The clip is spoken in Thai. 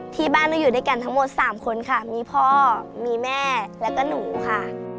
ที่บ้านก็อยู่ด้วยกันทั้งหมด๓คนค่ะมีพ่อมีแม่แล้วก็หนูค่ะ